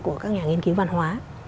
của các nhà nghiên cứu văn hóa